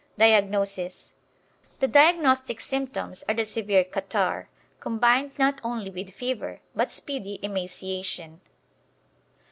Diagnosis The diagnostic symptoms are the severe catarrh, combined not only with fever, but speedy emaciation.